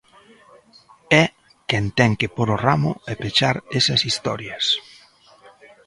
É quen ten que pór o ramo e pechar esas historias.